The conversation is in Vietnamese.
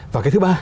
và cái thứ ba